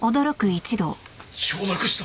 承諾した！